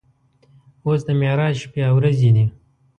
اوس د معراج شپې او ورځې دي.